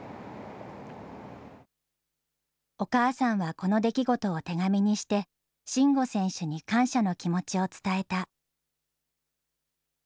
この出来事を手紙にして、慎吾選手に感謝の気持ちを伝えた。